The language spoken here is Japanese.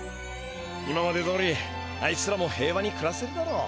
今までどおりあいつらも平和にくらせるだろう。